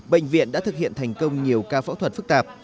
bệnh viện đã thực hiện thành công nhiều ca phẫu thuật phức tạp